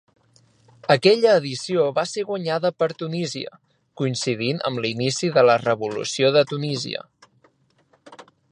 Aquella edició va ser guanyada per Tunísia, coincidint amb l'inici de la Revolució de Tunísia.